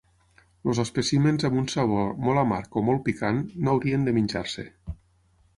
Els espècimens amb un sabor molt amarg o molt picant no haurien de menjar-se.